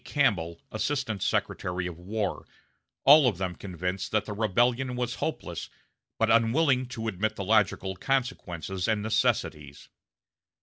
Campbell, Assistant Secretary of War all of them convinced that the rebellion was hopeless, but unwilling to admit the logical consequences and necessities.